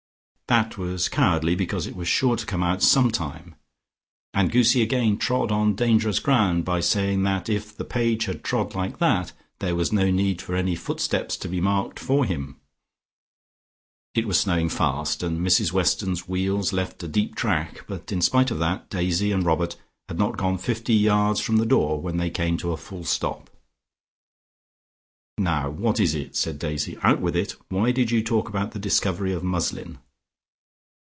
That was cowardly because it was sure to come out sometime. And Goosie again trod on dangerous ground by saying that if the Page had trod like that, there was no need for any footsteps to be marked for him. It was snowing fast, and Mrs Weston's wheels left a deep track, but in spite of that, Daisy and Robert had not gone fifty yards from the door when they came to a full stop. "Now, what is it?" said Daisy. "Out with it. Why did you talk about the discovery of muslin?"